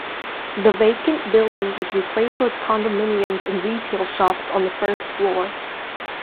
The vacant building was replaced with condominiums and retail shops on the first floor.